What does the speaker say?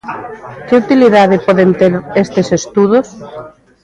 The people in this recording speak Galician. Que utilidade poden ter estes estudos?